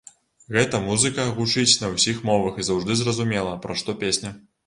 Гэта музыка гучыць на ўсіх мовах і заўжды зразумела, пра што песня.